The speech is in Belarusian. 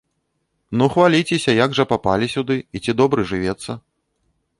Ну, хваліцеся, як жа папалі сюды і ці добра жывецца?